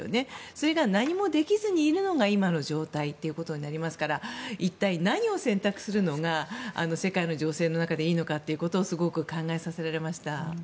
それに何もできずにいるのが今の状態ですから一体何を選択するのが世界の情勢の中でいいのかっていうことをすごく考えさせられました。